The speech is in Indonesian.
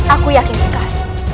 aku yakin sekali